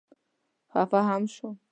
خفه هم شوم.